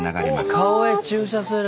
顔へ注射する。